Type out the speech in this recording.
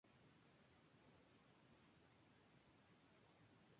La volva es de gran tamaño, cilíndrica con un borde cortado muy característico.